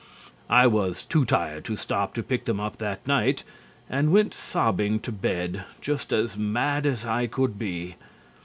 I was too tired to stop to pick them up that night, and went sobbing to bed, just as mad as I could be.